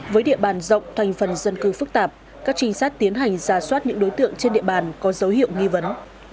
với địa bàn rộng thành phần dân cư phức tạp các trinh sát tiến hành ra soát những đối tượng trên địa bàn có dấu hiệu nghi vấn